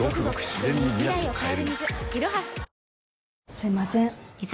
すいません